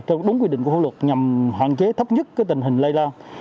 theo đúng quy định của hội luật nhằm hoạn chế thấp nhất tình hình lây lao